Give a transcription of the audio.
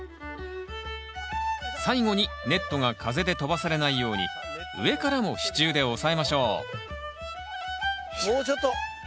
最後にネットが風で飛ばされないように上からも支柱で押さえましょうもうちょっと。